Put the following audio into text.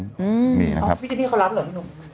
พี่เจนี่เขารับเหรอพี่หนุ่ม